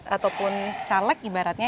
ataupun caleg ibaratnya